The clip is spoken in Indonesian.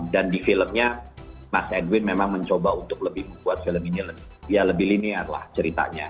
dan di filmnya mas edwin memang mencoba untuk lebih membuat film ini lebih ya lebih linear lah ceritanya